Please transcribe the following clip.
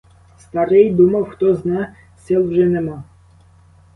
Старий думав: хтозна, сил нема вже.